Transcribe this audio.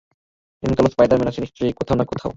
একজন কালো স্পাইডার-ম্যান আছে নিশ্চয়ই, কোথাও না কোথাও।